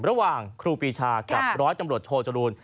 ระหว่างครูปีชากับร้อยตำรวจโทจรูล